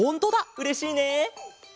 うれしいね。